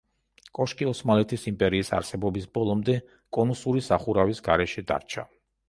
კოშკი, ოსმალეთის იმპერიის არსებობის ბოლომდე, კონუსური სახურავის გარეშე დარჩა.